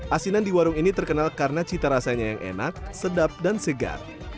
asinan di warung ini terkenal karena cita rasanya yang enak sedap dan segar